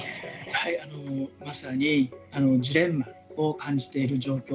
まさにジレンマを感じている状況